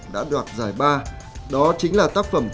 đã đoàn giải ba đó chính là tác phẩm